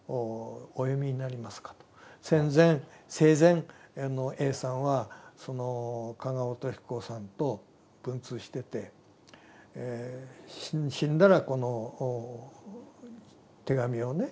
生前Ａさんは加賀乙彦さんと文通してて死んだらこの手紙をね